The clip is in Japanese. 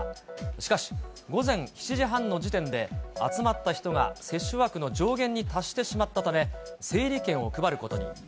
しかし、午前７時半の時点で集まった人が接種枠の上限に達してしまったため、整理券を配ることに。